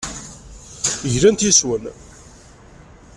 Glant yes-wen.